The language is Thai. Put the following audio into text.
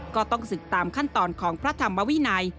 ก็ต้องศึกตามขั้นตอนของพระธรรมวินัย